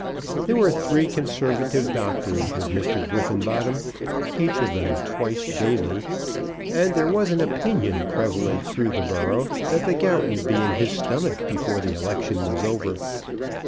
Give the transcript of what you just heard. There were three conservative doctors with Mr. Griffenbottom, each of them twice daily; and there was an opinion prevalent through the borough that the gout would be in his stomach before the election was over.